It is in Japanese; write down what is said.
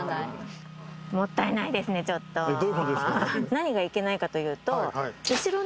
何がいけないかというと。